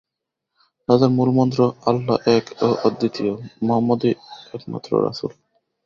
তাঁহাদের মূলমন্ত্র আল্লাহ এক ও অদ্বিতীয়, মহম্মদই একমাত্র রসুল।